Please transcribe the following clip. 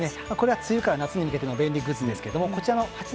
梅雨から夏に向けての便利グッズです。